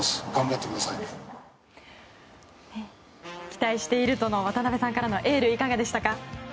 期待しているとの渡辺さんからのエールいかがでしたか。